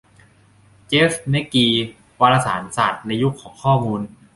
เจฟ แมคกี : วารสารศาสตร์ในยุคของข้อมูล